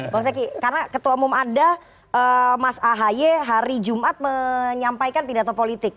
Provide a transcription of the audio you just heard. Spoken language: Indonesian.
bang zaky karena ketua umum anda mas ahaye hari jumat menyampaikan pidato politik